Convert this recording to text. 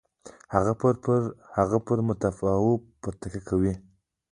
هغه پر متکاوو پر تکیه وه.